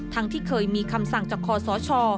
ที่เคยมีคำสั่งจากคอสช